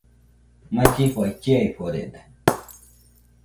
Mallifai chiaforede